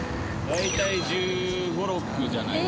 大体１５１６じゃないですか？